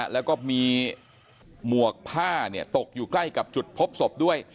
แล้วก็มีหมวกผ้าตกอยู่ใกล้กับจุดพบศพด้วย